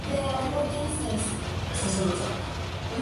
Fue la primera gran batalla naval de la campaña de Guadalcanal.